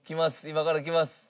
今から来ます。